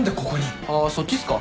あそっちっすか。